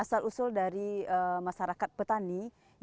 asal usul dari masyarakat petani